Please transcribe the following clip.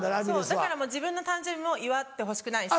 だから自分の誕生日も祝ってほしくないし。